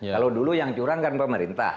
kalau dulu yang curang kan pemerintah